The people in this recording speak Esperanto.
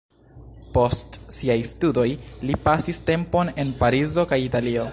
Post siaj studoj li pasis tempon en Parizo kaj Italio.